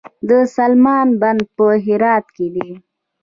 د سلما بند په هرات کې دی